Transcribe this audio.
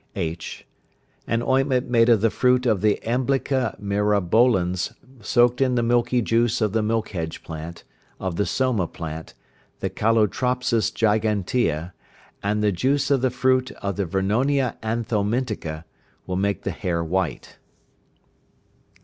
(h). An ointment made of the fruit of the emblica myrabolans soaked in the milky juice of the milk hedge plant, of the soma plant, the calotropis gigantea, and the juice of the fruit of the vernonia anthelmintica, will make the hair white.